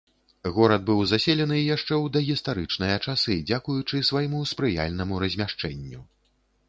Горад быў заселены яшчэ ў дагістарычныя часы, дзякуючы свайму спрыяльнаму размяшчэнню.